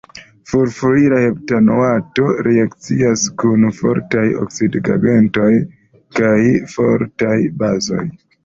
Furfurila heptanoato reakcias kun fortaj oksidigagentoj kaj fortaj bazoj.